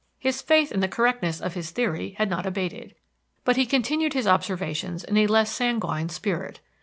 His faith in the correctness of his theory had not abated; but he continued his observation in a less sanguine spirit.